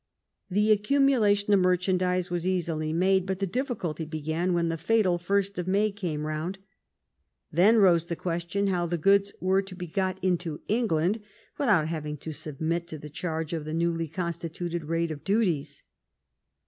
The accumulation of merchandise was easily made, but the difficulty began when the fatal 1st of May came round. Then arose the question how the goods were to be got into England without having to submit to the charge of the newly constituted rate of duties.